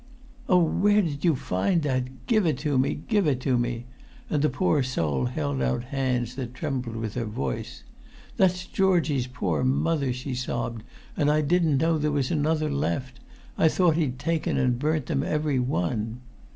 "Oh, where did you find that? Give it to me—give it to me!" and the poor soul held out hands that trembled with her voice. "That's Georgie's poor mother," she sobbed, "and I didn't know there was another left. I thought he'd taken and burnt them every one!"